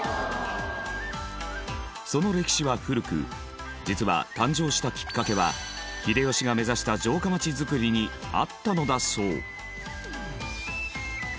その歴史は古く実は誕生したきっかけは秀吉が目指した城下町づくりにあったのだそう。